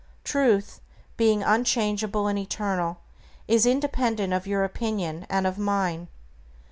Truth, being unchangeable and eternal, is independent of your opinion and of mine.